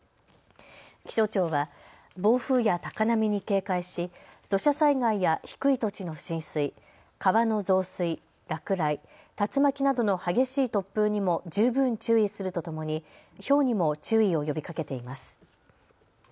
気象庁は暴風や高波に警戒し土砂災害や低い土地の浸水、川の増水、落雷、竜巻などの激しい突風にも十分注意するとともにひょうにも注意を呼びかけています。